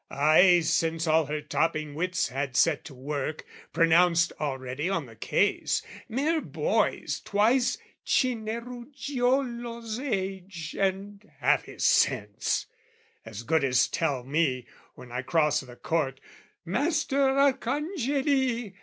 ay Since all her topping wits had set to work, Pronounced already on the case: mere boys, Twice Cineruggiolo's age and half his sense, As good as tell me, when I cross the court, "Master Arcangeli!"